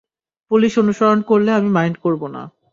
Police অনুসরণ করলে আমি মাইন্ড করব না।